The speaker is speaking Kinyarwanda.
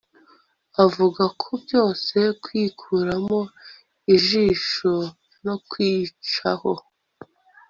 avuga ku byo kwikuramo ijisho no kwicaho